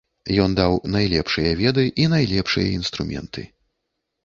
Ён даў найлепшыя веды і найлепшыя інструменты.